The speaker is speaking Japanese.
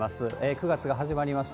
９月が始まりました。